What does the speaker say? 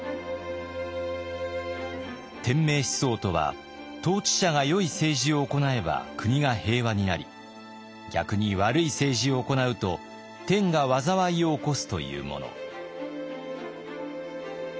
天命思想とは統治者が良い政治を行えば国が平和になり逆に悪い政治を行うと天が災いを起こすというもの。